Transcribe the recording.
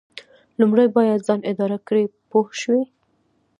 لومړی باید ځان اداره کړئ پوه شوې!.